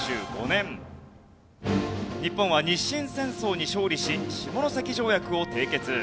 日本は日清戦争に勝利し下関条約を締結。